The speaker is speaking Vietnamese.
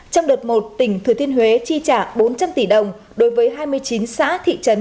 trong đợt một tỉnh thừa thiên huế chi trả bốn trăm linh tỷ đồng đối với hai mươi chín xã thị trấn